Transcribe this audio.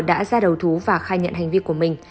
yin đã giải thích ra đầu thú và khai nhận hành vi của mình